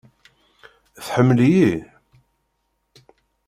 Tḥemmel-iyi?